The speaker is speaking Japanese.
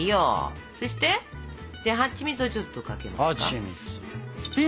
そしてはちみつをちょっとかけますか？